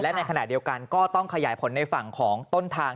ในขณะเดียวกันก็ต้องขยายผลในฝั่งของต้นทาง